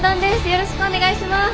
よろしくお願いします。